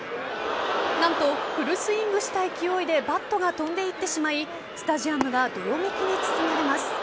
何とフルスイングした勢いでバットが飛んでいってしまいスタジアムがどよめきに包まれます。